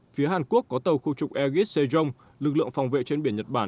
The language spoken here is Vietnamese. phía hàn quốc có tàu khu trục egis sejong lực lượng phòng vệ trên biển nhật bản